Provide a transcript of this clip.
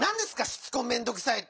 「しつこ面倒くさい」って。